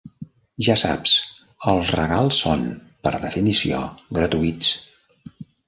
Ja saps, els regals són, per definició, gratuïts.